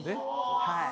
はい。